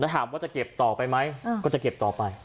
ถามว่าจะเก็บต่อไปไหมก็จะเก็บต่อไป